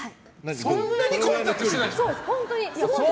そんなに混雑してないでしょ。